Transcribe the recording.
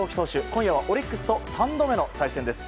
今夜はオリックスと３度目の対戦です。